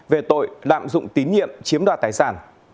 về tội lạm dụng tín nhiệm chiếm đoạt tài sản